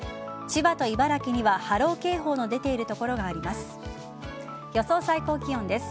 千葉と茨城には波浪警報の出ている所があります。